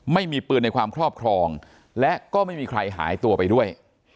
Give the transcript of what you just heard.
ไม่มีปืนในความครอบครองและก็ไม่มีใครหายตัวไปด้วย